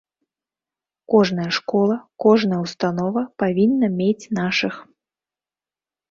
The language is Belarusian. Кожная школа, кожная ўстанова павінна мець нашых.